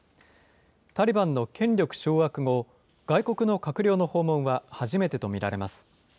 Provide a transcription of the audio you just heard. タリバンの権力掌握後、外国の閣僚の訪問は初めてと見られます。